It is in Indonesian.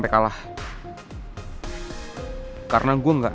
saya akan mencari tempat untuk menjelaskan